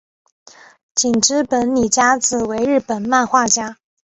井之本理佳子为日本漫画家。